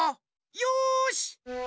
よし！